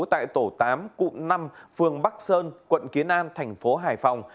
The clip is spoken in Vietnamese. tại tổ tám cụm năm phường bắc sơn quận kiến an tp hải phòng